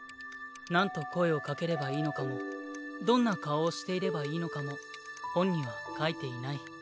なんと声を掛ければいいのかもどんな顔をしていればいいのかも本には書いていない。